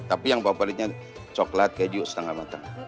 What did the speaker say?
tapi yang favoritnya coklat keju setengah matang